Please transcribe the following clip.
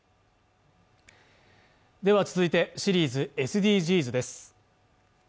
続いてシリーズ「ＳＤＧｓ」です。